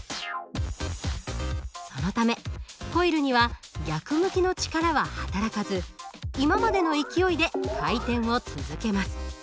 そのためコイルには逆向きの力は働かず今までの勢いで回転を続けます。